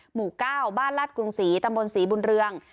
หมู่ก้าวบ้านลาดกรุงสีตำบศรีบุณเรระ